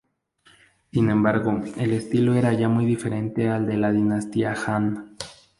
Sin embargo, el estilo era ya muy diferente al de la dinastía Han.